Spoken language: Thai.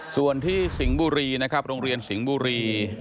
ส่วนที่สิงห์บุรีนะครับโรงเรียนสิงห์บุรี